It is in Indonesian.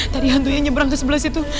tadi hantunya nyebrang ke sebelah situ